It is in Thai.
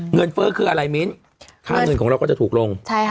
เฟ้อคืออะไรมิ้นค่าเงินของเราก็จะถูกลง